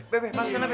be be masukin lagi